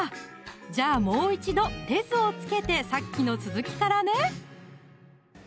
じゃあもう一度手酢を付けてさっきの続きからね